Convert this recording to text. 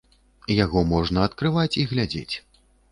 Яго можна адкрываць і глядзець.